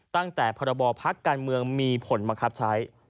ตั้งแต่ประบอบภักดิ์การเมืองมีผลมาครับใช้